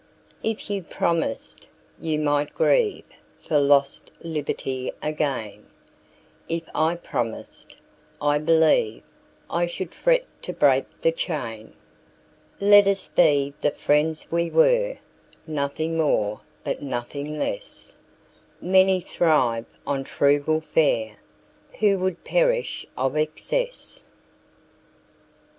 If you promised, you might grieveFor lost liberty again:If I promised, I believeI should fret to break the chain. Let us be the friends we were, Nothing more but nothing less:Many thrive on frugal fareWho would perish of excess.